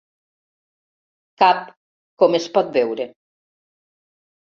Cap, com es pot veure.